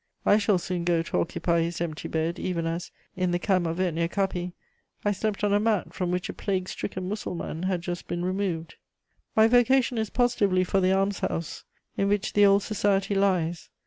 I shall soon go to occupy his empty bed, even as, in the camp of Etnir Capi, I slept on a mat from which a plague stricken Mussulman had just been removed. My vocation is positively for the almshouse, in which the old society lies.